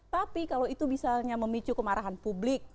tapi kalau itu misalnya memicu kemarahan publik